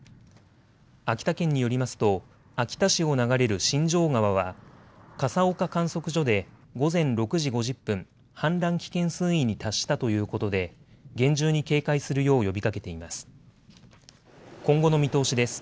秋田県によりますと秋田市を流れる新城川は笠岡観測所で午前６時５０分、氾濫危険水位に達したということで厳重に警戒するよう呼びかけています。